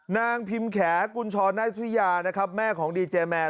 นางพิมพ์แขกุญชรณธิยานะครับแม่ของดีเจแมน